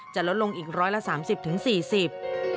จะลดลงอีกร้อยละสามสิบถึงสี่สิบ